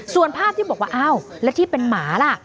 ส่วนภาพที่บอกว่าอ้าวแล้วที่เป็นหมาล่ะ